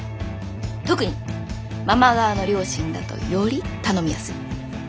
特にママ側の両親だとより頼みやすい。